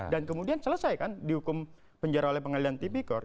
dan kemudian selesai kan dihukum penjara oleh pengadilan tipikor